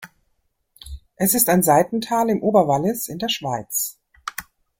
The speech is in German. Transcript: Es ist ein Seitental im Oberwallis in der Schweiz.